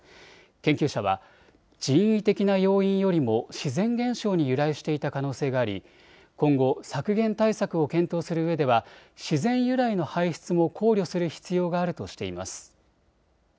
研究者は人為的な要因よりも自然現象に由来していた可能性があり今後、削減対策を検討するうえでは自然由来の排出も考慮する必要があるとしています。